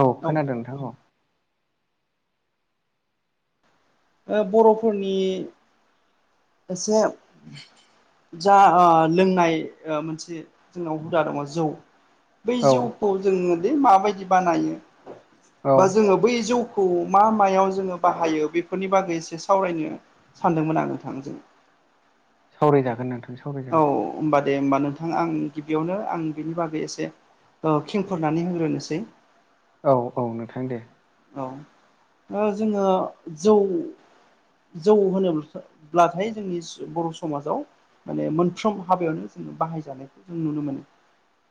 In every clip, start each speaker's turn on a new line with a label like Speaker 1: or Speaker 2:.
Speaker 1: औ खोनादों नोंथांखौ औ।
Speaker 2: ओ बर'फोरनि एसे जा ओ लोंनाय मोनसे जोंनाव हुदा दङ जौ बै
Speaker 1: औ
Speaker 2: जौखौ जोङो दे माबायदि बानायो
Speaker 1: औ
Speaker 2: बा जोङो बै जौ खौ मा मायाव जोङो बाहायो बेफोरनि बागै एसे सावरायनो सानदोंमोन आ नोंथांजों।
Speaker 1: सावरायजागोन नोंथां।
Speaker 2: औ
Speaker 1: सावरायजागोन
Speaker 2: होनबा दे होमबा नोंथां आं गिबियावनो आं बेनि बागै एसे ओ खिंफोरनानै होग्रोनोसै।
Speaker 1: औ औ नोंथां दे।
Speaker 2: औ ओ जोङो जौ जौ होनोब्लाथाय जोंनि बर' समाजाव माने मोनफ्रोम हाबायावनो जोङो बाहायजानायखौ जों नुनो मोनो।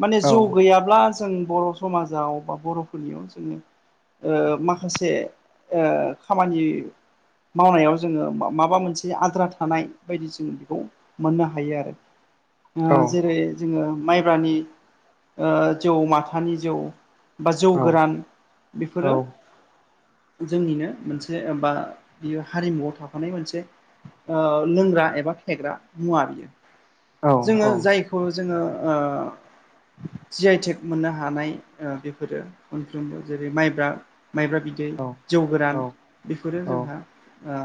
Speaker 2: माने
Speaker 1: औ
Speaker 2: जौ गैयाब्ला जों बर' समाजाव बा बर'फोरनियाव जोङो ओ माखासे ओ खामानि मावनायाव जोङो माबा मोनसे आद्रा थानाय बायदि जोङो बेखौ मोननो हायो आरो
Speaker 1: औ
Speaker 2: ओ जेरै जोङो माइब्रानि ओ जौ माथानि जौ बा जौ
Speaker 1: औ
Speaker 2: गोरान
Speaker 1: औ
Speaker 2: बेफोरो जोंनिनो मोनसे बा बियो हारिमुआव थाखाफानाय मोनसे लोंग्रा एबा फेग्रा मुवा बियो
Speaker 1: औ
Speaker 2: जोङो
Speaker 1: औ
Speaker 2: जाय खौ जोङो ओ जि आइ थेक मोननो हानाय बेफोरो मोनफ्रोमबो जेरै माइब्रा माइब्रा बिदै
Speaker 1: औ
Speaker 2: जौ
Speaker 1: औ
Speaker 2: गोरान बिफोरो
Speaker 1: औ
Speaker 2: जोंहा ओ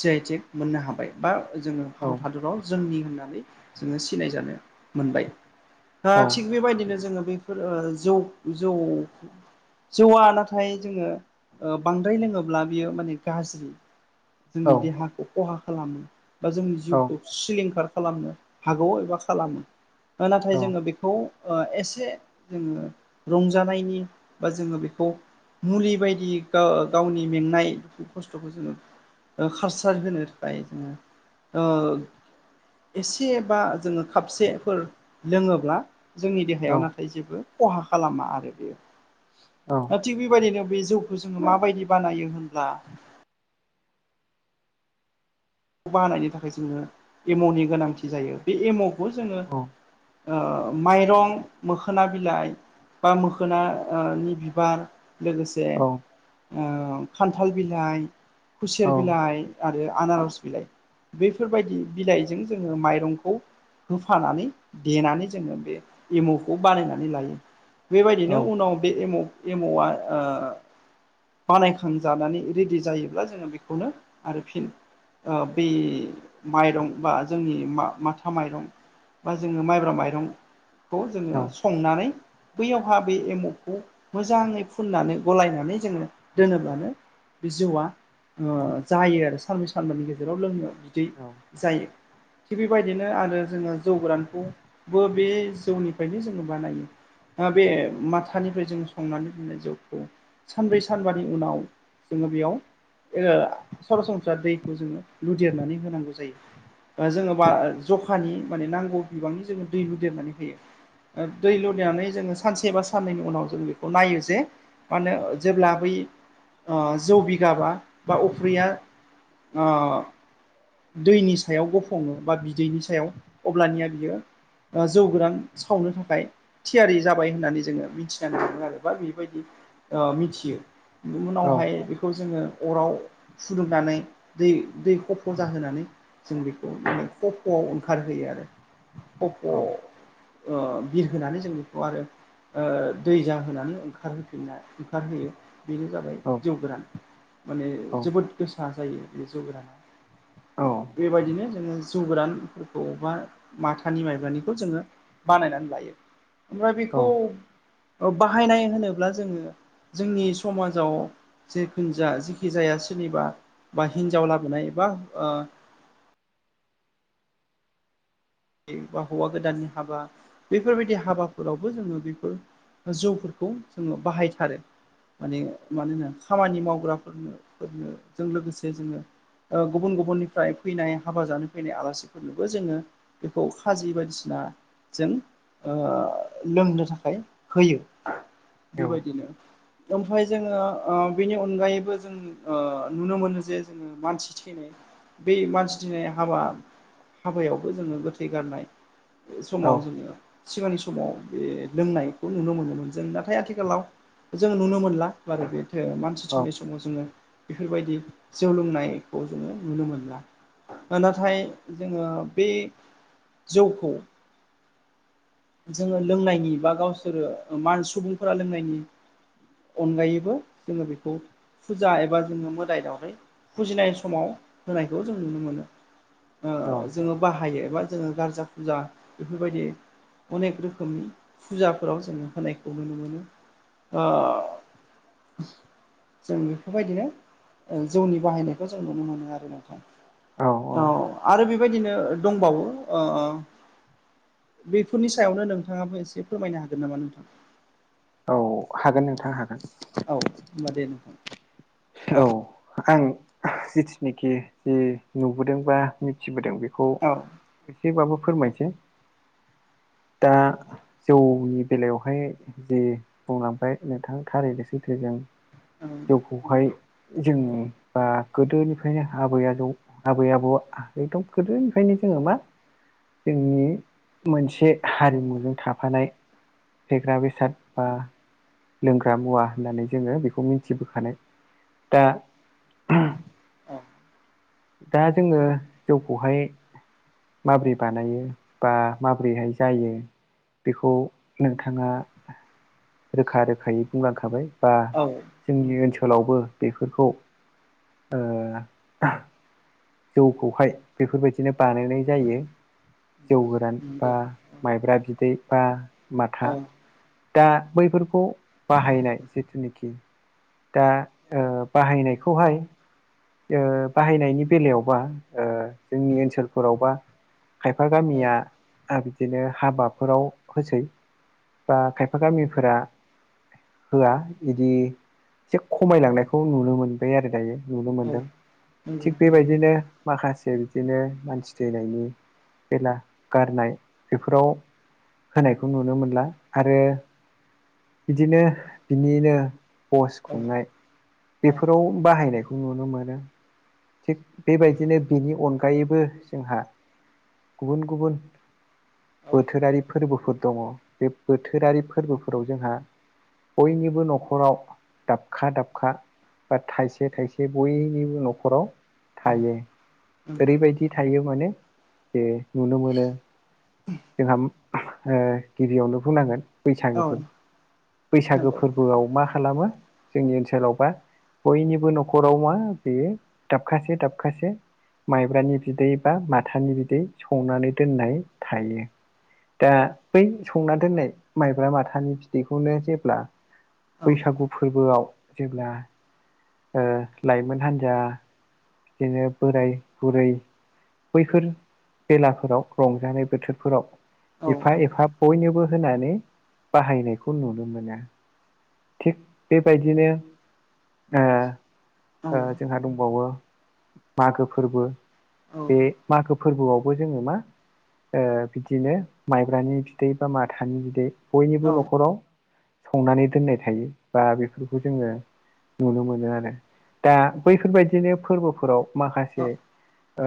Speaker 2: जि आइ टिग मोननो हाबाय बा जोङो भारत
Speaker 1: औ
Speaker 2: हादराव जोंनि होननानै जोङो सिनायजानो मोनबाय ओ
Speaker 1: औ
Speaker 2: थिग बेबायदिनो जोङो बेफोर ओ जौ जौ जौवा नाथाय जोङो बांद्राय लोङोब्ला बियो माने गाज्रि जोंनि देहाखौ खहा खालामो बा जोंनि जिउखौ सिलिंखार खालामनो हागौ एबा खालामो। नाथाय
Speaker 1: औ
Speaker 2: जोङो बेखौ ओ एसे जोङो रंजानायनि बा जोङो बेखौ मुलि बायदि ग-गावनि मेंनाय खस्थ'खौ जोङो ओ कारसार होनो थाखाय जोङो ओ एसे बा जोङो खापसेफोर लोङोब्ला जोंनि
Speaker 1: औ
Speaker 2: देहायाव
Speaker 1: औ
Speaker 2: नाथाय जेबो खहा खालामा आरो बेयो।
Speaker 1: औ।
Speaker 2: ओ थिग बेबायदिनो बे जौखौ जोङो माबायदि बानायो होनब्ला बानायनो थाखाय जोङो एम'नि गोनांथि जायो। बे एम'खौ जोङो ओ माइरं मोखोना बिलाइ बा मोखोना ओ नि बिबार लोगोसे जे ओ खान्थाल बिलाइ, खुसेर बिलाइ आरो आनारस बिलाइ बैफोरबायदि बिलाइजों जोङो माइरंखौ होफानानै देनानै जोङो बे एमुखौ बानायनानै लायो। बेबायदिनो उनाव बे एम' एमआ ओ बानायखांजानानै रेडि जायोब्ला जोङो बेखौनो आरोफिन बे माइरं बा जोंनि मा माथा माइरं बा जोङो माइब्रा माइरं खौ जोङो संनानै बैयावहा बे एम'खौ मोजाङै फुननानै गलायनानै जोङो दोनोब्लानो बे जिउआ ओ जायो आरो साननि सानबानि गेजेराव लोंनो बिदै जायो। थिग बेबायदिनो आरो जोङो जौ गोरानखौबो बे जौनिफ्रायनो जोङो बानायो। बे माथानिफ्राय जों संनानै मोननाय जौखौ सानब्रै सानबानि उनाव जोङो बेयाव ओ सरासनस्रा दै जोङो लुदेरनानै होनांगौ जायो। जोङो बा जखानि माने नांगौ बिबांनि जोङो दै होदेरनानै होयो। दै लुनानै जोङो सानसे बा साननैनि उनाव जों बेखौ नायो जे माने जेब्ला बै जौ ओ बिगाबा बा अफ्रिया अ दैनि सायाव गफङो बा बिदैनि सायाव अब्लानिया बियो जौगोरान सावनो थाखाय थियारि जाबाय होननानै जोङो मिथि ना मोनो आरो बा बेबायदि मिथियो उनावहाय बेखौ जोङो अराव फुदुंनानै दै दै फजा होनानै जों बेखौ माने ख फ'आव ओंखारहोयो आरो अप' बिर होनानै जों बेखौ आरो ओ दै जाहोनानै ओंखारहोफिना ओंखारहोयो बेनो जाबाय जौ गोरान माने जोबोद गोसा जायो बे जौ गोराना बेबायदिनो जोङो जौ गोरानफोरखौ बा माथानि माइब्रानिखौ जोङो बानायनानै लायो ओमफ्राय बेखौ बाहायनाय होनोब्ला जोङो जोंनि समाजाव जेखुन जाया जेखि जाया सोरनिबा बा हिनजाव लाबोनाय बा बा हौवा गोदाननि हाबा बेफोरबायदि हाबाफोरावबो जोङो बेफोर जौफोरखौ जोङो बाहायथारो माने मानोनो खामानि मावग्राफोरनो फोरनो जों लोगोसे जोङो गुबुन गुबुननिफ्राय फैनाय हाबा जानो फैनाय आलासिफोरनोबो जोङो बेखौ खाजि बायदिसिना जों लोंनो थाखाय होयो बेबायदिनो ओमफाय जोङो बेनि अनगायैबो जों नुनो मोनो जे जोङो मानसि थैनाय बे मानसिनाय हाबा हाबायावबो जोङो गो थैगारनाय समाव जोङो सिगांनि समाव बे लोंनायखौ नुनो मोनोमोन जों नाथाय आथिखालाव जोङ नुनो मोनला बार बेथो मानसि थोंनाय समाव जोङो बेफोरबायदि जौ लोंनायखौ जोङो नुनो मोनला नाथाय जोङो बे जौखौ जोङो लोंनायनि बा गावसोरो म सुबुंफोरा लोंनायनि अनगायैबो जोङो बेखौ फुजा एबा जोङो मोदाय दावहै फुजिनाय समाव होनायखौ जों नुनो मोनो जोङो बाहायो एबा जोङो गारजा फुजा बेफोरबायदि अनेक रोखोमनि फुजाफोराव जोङो होनायखौ नुनो मोनो
Speaker 1: [inaudible]
Speaker 2: जों बेफोरबायदिनो जौनि बाहायनायखौ जों नुनो मोनो आरो नोंथांा औ आरो बेबायदिनो दंबावो बेफोरनि सायावनो नोंथाङाबो एसे फोरमायनो हागोन नामा नोंथां
Speaker 1: औ हागोन नोंथां हागोन
Speaker 2: औ होनबा दे नोंथां
Speaker 1: औ आं जिथुनिखि जि नुबोदोंबा मिथिबोदों बेखौ
Speaker 2: औ
Speaker 1: एसेबाबो फोरमायसै दा जौनि बेलायावहाय जे बुंलांबाय नोंथाङा थारैनो सैथोजों
Speaker 2: औ
Speaker 1: बेहाय जों बा गोदोनिफ्रायनो आबै आबौ आबै आबौआ एकदम गोदोनिफ्रायनो जोङो मा जोंनि मोनसे हारिमुजों थाफानाय फेग्रा बेसाद बा लोंग्रा मुवा होननानै जोङो बेखौ मिथिबोखानाय दा दा जोङो जौखौहाय माबोरै बानायो बा माबोरैहाय जायो बेखौ नोंथाङा रोखा रोखायै बुंलांखाबाय बा
Speaker 2: औ
Speaker 1: जोंनि ओनसोलावबो बेफोरखौ जौखौहाय बेफोरबायदिनो बानायनाय जायो जौ गोरान बा
Speaker 2: नंगौ
Speaker 1: माइब्रा बिदै बा
Speaker 2: औ
Speaker 1: माथा दा बैफोरखौ बाहायनाय जिथुनिखि दा ओ बाहायनायखौहाय ओ बाहायनायनि बेलायावबा ओ जोंनि ओनसोलफोरावबा खायफा
Speaker 2: औ
Speaker 1: गामिया बिदिनो हाबाफोराव होसै बा खायफा गामिफोरा होआ इदि एसे खमायलांनायखौ नुनो मोनबाय आरो दायो नुनो मोन
Speaker 2: औ
Speaker 1: दों
Speaker 2: नंगौ
Speaker 1: थिग बेबायदिनो माखासे बिदिनो मानसि थैनायनि बेला गारनाय बेफोराव होनायखौ नुनो मोनला आरो बिदिनो बिनिनो भस
Speaker 2: औ
Speaker 1: खुंनाय बेफोराव बाहायनायखौ नुनो मोनो। थिग बेबायदिनो बिनि अनगायैबो जोंहा गुबुन गुबुन
Speaker 2: औ
Speaker 1: बोथोरारि फोरबोफोर दङ बे बोथोरारि फोरबोफोराव जोंहा बयनिबो न'खराव दाबखा दाबखा बा थाइसे थाइसे बयनिबो न'ख न'खराव थायो
Speaker 2: नंगौ
Speaker 1: ओरैबायदि थायो माने जे नुनो मोनो जोंहा ओ गिबियावनो बुंनांगोन बैसागो
Speaker 2: औ
Speaker 1: फोरबो बैसागो
Speaker 2: नंगौ
Speaker 1: फोर बोआव मा खालामो जोंनि ओनसोलाव हा बयनिबो न'खराव मा बेयो दाबखासे दाबखासे माइब्रानि बिदै बा माथानि बिदै संनानै दोननाय थायो। दा बै संना दोननाय माइब्रा माथानि बिदैखौनो जेब्ला
Speaker 2: औ
Speaker 1: बैसागु फोरबोआव जेब्ला ओ लाइमोन हान्जा बिदिनो बोराय बुरै बैफोर बेलाफोराव रंजानाय
Speaker 2: औ
Speaker 1: बोथोरफोराव एफा एफा बयनोबो होनानै बाहायनायखौ नुनो मोना। थिग बेबायदिनो ओ
Speaker 2: औ
Speaker 1: ओ जोंहा दंबावो मागो फोरबो बे मागो फोरबोआवबो जोङो मा ओ बिदिनो माइब्रानि बिदै बा माथानि बिदै बयनिबो
Speaker 2: औ
Speaker 1: न'खराव संनानै दोननाय थायो बा बेफोरखौ जोङो नुनो मोनो आरो दा बैफोरबायदिनो फोरबोफोराव माखासे
Speaker 2: औ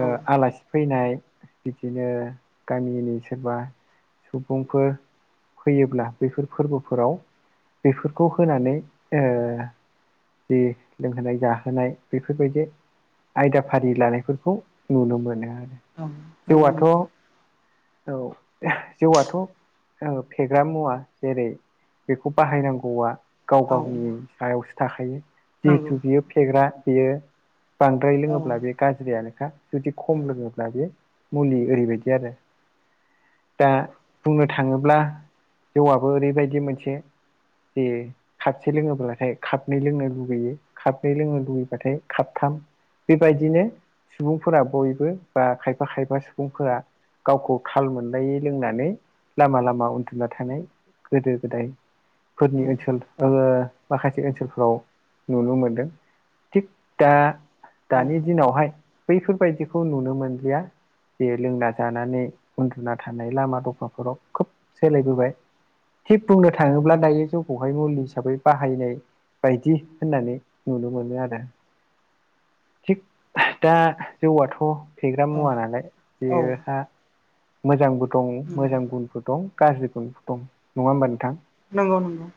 Speaker 1: ओ
Speaker 2: औ
Speaker 1: आलासि फैनाय बिदिनो गामिनि सोरबा सुबुंफोर फैयोब्ला बैफोर फोरबोफोराव बेफोरखौ होनानै ओ जि लोंहोनाय जाहोनाय बेफोरबायदि आयदा फारि लानायफोरखौ नुनो मोनो आरो
Speaker 2: नंगौ नंगौ
Speaker 1: जौआथ' औ जौआथ' ओ फेग्रा मुवा जेरै बेखौ बाहायनां गौवा गाव
Speaker 2: औ
Speaker 1: गावनि सायावसो थाखायो जिहेथु
Speaker 2: नंगौ
Speaker 1: बियो फेग्रा बेयो बांद्राय लोङोब्ला बे
Speaker 2: औ
Speaker 1: गाज्रियानोखा जुदि खम लोङोब्ला बे मुलि ओरैबायदि आरो। दा बुंनो थाङोब्ला जौआबो ओरैबायदि मोनसे जे खापसे लोङोब्लाथाय खापनै लोंनो लुगैयो। खापनै लोंनो लुुबैबाथाय खाबथाम बेबायदिनो सुबुंफोरा बयबो बा खायफा खायफा सुबुंफोरा गावखौ थाल मोनलायै लोंनानै लामा लामा उन्दुना थानाय गोदो गोदाय फोरनि
Speaker 2: औ
Speaker 1: ओनसोल ओ माखासे ओनसोलफोराव नुनो मोनदों। थिग दा
Speaker 2: औ
Speaker 1: दानि दिनावहाय बैफोरबायदिखौ नुनो मोनलिया बे लोंना जानानै उन्दुना थानाय लामा दफाफोराव खोब सोलायबोबाय थिग बुंनो थाङोब्ला दायो जौखौहाय मुलि हिसाबै बाहायनाय बायदि होननानै नुनो मोनो आरो। थिग दा जौआथ' फेग्रा
Speaker 2: औ
Speaker 1: मुवा नालाय
Speaker 2: औ
Speaker 1: बेहा मोजांबो दं मोजां गुनबो दं गाज्रि गुनबो दं नङा होनबा नोंथां?
Speaker 2: नंगौ नंगौ।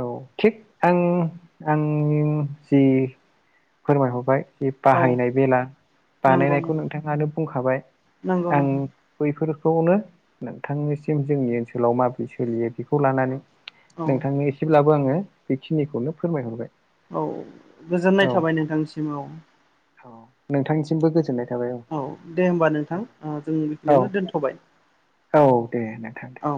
Speaker 1: औ थिग आं आं जि फोरमायहरबाय बे
Speaker 2: औ
Speaker 1: बाहायनाय बेला
Speaker 2: नंगौ नंगौ
Speaker 1: बानायनायखौ नोंथाङानो बुंखाबाय,
Speaker 2: नंगौ नंगौ
Speaker 1: आं बैफोरखौनो नोंथांनिसिम जोंनि ओनसोलाव माबोरै सोलियो बेखौ लानानै
Speaker 2: औ
Speaker 1: नोंथांनो एसेब्लाबो आङो बेखिनिखौनो फोरमायहरबाय।
Speaker 2: औ गोजोननाय थाबाय नोंथांनिसिम औ।
Speaker 1: औ नोंथांनिसिमबो गोजोननाय थाबाय।
Speaker 2: औ दे होमबा नोंथां जों
Speaker 1: औ
Speaker 2: बेखिनियावनो दोनथ'बाय
Speaker 1: औ दे नोंथां दे
Speaker 2: औ।